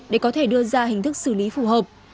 để có thể đưa ra hình thức xử lý phù hợp